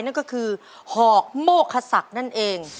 นั่นก็คือหอกโมคศักดิ์นั่นเอง